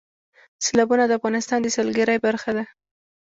سیلابونه د افغانستان د سیلګرۍ برخه ده.